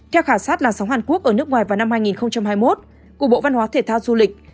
theo khả sát là sống hàn quốc ở nước ngoài vào năm hai nghìn hai mươi một của bộ văn hóa thể thao du lịch